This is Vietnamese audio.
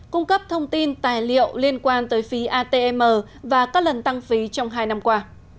cung cấp thông tin tài liệu liên quan tới phí atm và các lần tăng phí trong hai năm qua